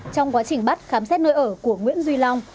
trong quá trình bắt khám xét nơi ở của nguyễn duy long